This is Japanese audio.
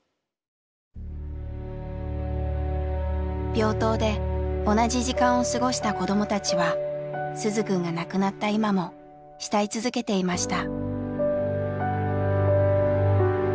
病棟で同じ時間を過ごした子どもたちは鈴くんが亡くなった今も慕い続けていました。